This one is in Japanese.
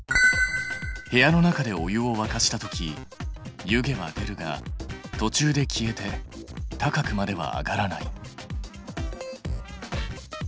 部屋の中でお湯をわかした時湯気は出るがとちゅうで消えて高くまでは上がらない。